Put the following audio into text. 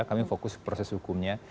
kami fokus proses hukumnya